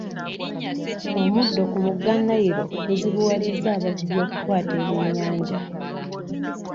Omuddo ku mugga Nile guzibuwalizza abavubi okukwata ebyenyanja.